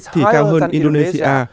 thì cao hơn indonesia